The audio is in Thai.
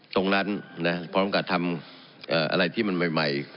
ตรงนั้นนะพร้อมกับทำเอ่ออะไรที่มันใหม่ใหม่